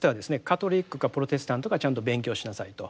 カトリックかプロテスタントかちゃんと勉強しなさいと。